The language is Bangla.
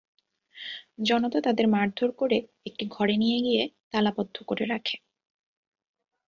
জনতা তাদের মারধর করে একটি ঘরে নিয়ে গিয়ে তালাবদ্ধ করে রাখে।